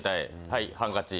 はいハンカチ。